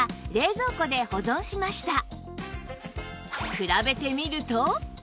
比べてみると